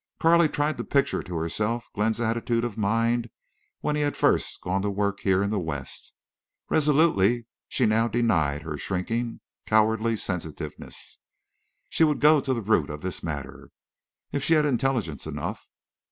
Carley tried to picture to herself Glenn's attitude of mind when he had first gone to work here in the West. Resolutely she now denied her shrinking, cowardly sensitiveness. She would go to the root of this matter, if she had intelligence enough.